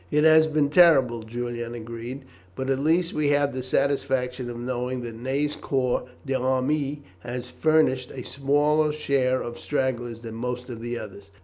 "It has been terrible," Julian agreed, "but at least we have the satisfaction of knowing that Ney's corps d'armée has furnished a smaller share of stragglers than most of the others."